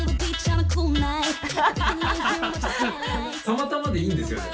たまたまでいいんですよね？